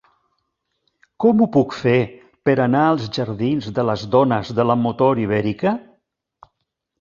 Com ho puc fer per anar als jardins de les Dones de la Motor Ibèrica?